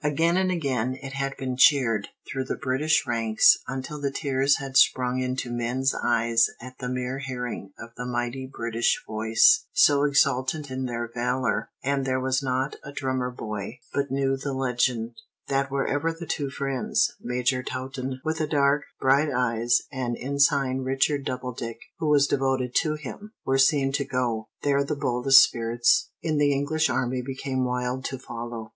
Again and again it had been cheered through the British ranks until the tears had sprung into men's eyes at the mere hearing of the mighty British voice, so exultant in their valor; and there was not a drummer boy but knew the legend, that wherever the two friends, Major Taunton, with the dark, bright eyes, and Ensign Richard Doubledick, who was devoted to him, were seen to go, there the boldest spirits in the English army became wild to follow.